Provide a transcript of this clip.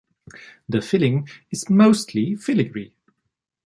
The filling is mostly filigree.